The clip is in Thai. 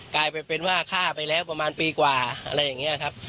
กลายเป็นว่าฆ่าไปแล้วประมาณปีกว่าอะไรอย่างนี้ครับ